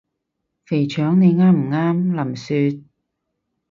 肥腸你啱唔啱？林雪？